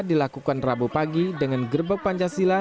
dilakukan rabu pagi dengan gerbek pancasila